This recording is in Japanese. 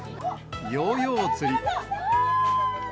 ヨーヨー釣り。